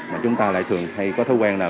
mà chúng ta lại thường hay có thói quen nào